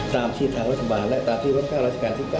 ตามที่ทางรัฐบาลและแต่พฤติรัฐกาลที่๙